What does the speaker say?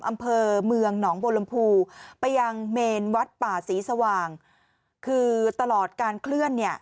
อำเภอเมืองหนองบัวลำพูไปยังเมนวัดป่าศรีสว่างคือตลอดการเคลื่อนเนี่ย